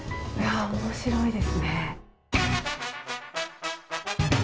面白いですね。